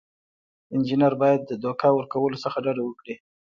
انجینر باید د دوکه ورکولو څخه ډډه وکړي.